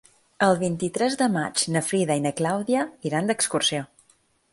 El vint-i-tres de maig na Frida i na Clàudia iran d'excursió.